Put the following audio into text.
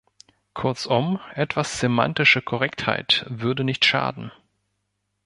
Kurzum, etwas semantische Korrektheit würde nicht schaden.